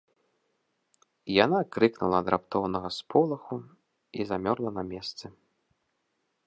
Яна крыкнула ад раптоўнага сполаху і замёрла на месцы.